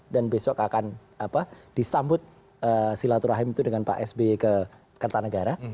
dan besok akan disambut silaturahim itu dengan pak sb ke kertanegara